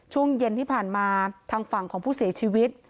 ช่วงเย็นที่ผ่านมาทางฝั่งของผู้เสียชีวิต